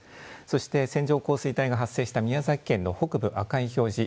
そして、線状降水帯が発生した宮崎県の北部赤い表示